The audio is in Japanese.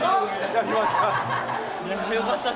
やりました。